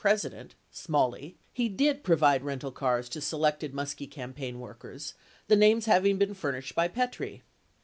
president, Smalley, he did provide rental cars to selected Muskie campaign workers, the names having been furnished by Petrie.